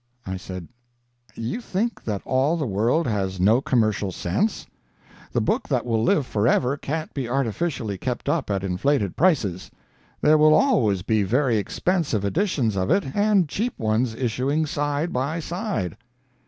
"I said: 'You think that all the world has no commercial sense. The book that will live for ever can't be artificially kept up at inflated prices. There will always be very expensive editions of it and cheap ones issuing side by side.'